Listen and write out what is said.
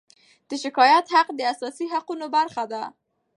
د شکایت حق د اساسي حقونو برخه ده.